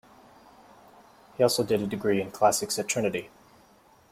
He also did a degree in Classics at Trinity.